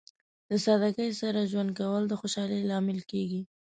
د سادګۍ سره ژوند کول د خوشحالۍ لامل کیږي.